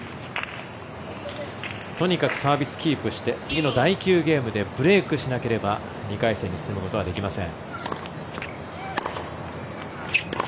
とにかくサービスキープして次の第９ゲームでブレークしなければ２回戦に進むことはできません。